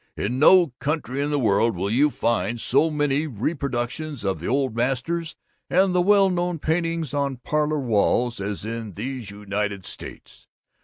In no country in the world will you find so many reproductions of the Old Masters and of well known paintings on parlor walls as in these United States.